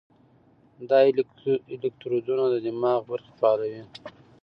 دا الکترودونه د دماغ برخې فعالوي.